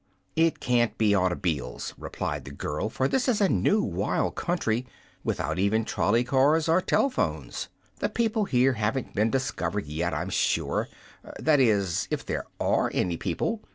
"It can't be auto'biles," replied the girl, "for this is a new, wild country, without even trolley cars or tel'phones. The people here haven't been discovered yet, I'm sure; that is, if there ARE any people.